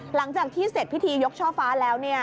หลังจากที่เสร็จพิธียกช่อฟ้าแล้ว